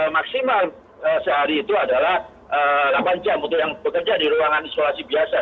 maksimal sehari itu adalah delapan jam untuk yang bekerja di ruangan isolasi biasa